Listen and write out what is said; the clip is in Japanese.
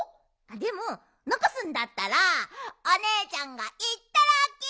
でものこすんだったらおねえちゃんがいっただき。